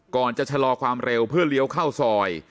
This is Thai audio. ก่อนจะชะลอความเร็วเพื่อเลี้ยวเข้าซอย